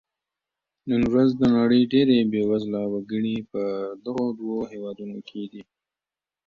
نن ورځ د نړۍ ډېری بېوزله وګړي په دغو دوو هېوادونو کې دي.